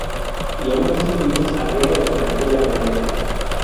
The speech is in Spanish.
Y aun así fuimos a guerra con aquel argumento.